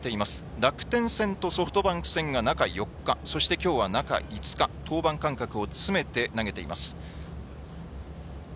楽天戦とソフトバンク戦が中４日そして、きょうが中５日登板間隔を詰めて投げています。